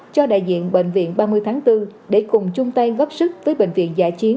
cho đại diện bệnh viện ba mươi tháng bốn để cùng chung tay góp sức với bệnh viện giã chiến